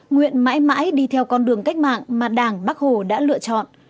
nguyện mãi mãi đi theo con đường cách mạng mà đảng bác hồ đã lựa chọn